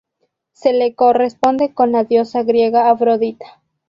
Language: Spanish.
Se le corresponde con la diosa griega Afrodita.